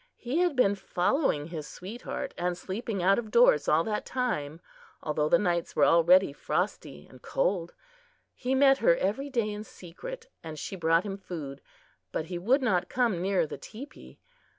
He had been following his sweetheart and sleeping out of doors all that time, although the nights were already frosty and cold. He met her every day in secret and she brought him food, but he would not come near the teepee.